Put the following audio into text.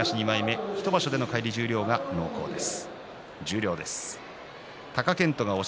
１場所での返り十両が濃厚です。